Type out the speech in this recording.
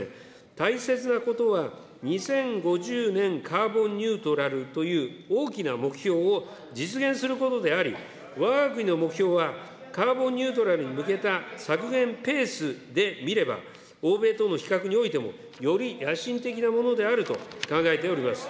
大切なことは、２０５０年カーボンニュートラルという大きな目標を実現することであり、わが国の目標は、カーボンニュートラルに向けた削減ペースで見れば、欧米との比較においても、より野心的なものであると考えております。